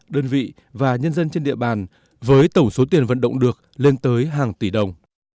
đơn vị và nhân dân trên địa bàn với tổng số tiền vận động được lên tới hàng tỷ đồng